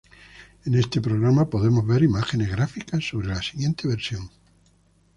En este programa podemos ver imágenes gráficas sobre la siguiente versión.